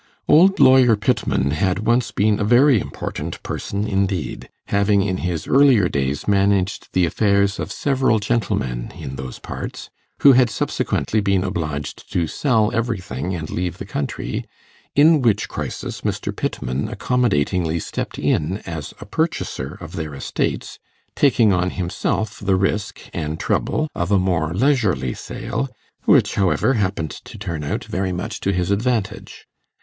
Old lawyer Pittman had once been a very important person indeed, having in his earlier days managed the affairs of several gentlemen in those parts, who had subsequently been obliged to sell everything and leave the country, in which crisis Mr. Pittman accommodatingly stepped in as a purchaser of their estates, taking on himself the risk and trouble of a more leisurely sale; which, however, happened to turn out very much to his advantage.